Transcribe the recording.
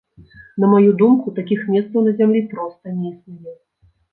На маю думку, такіх месцаў на зямлі проста не існуе.